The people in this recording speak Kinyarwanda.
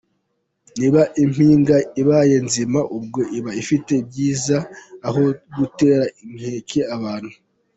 Niba impinga ibaye nzima ubwo iba ifite ibyiza aho gutera inkeke abantu.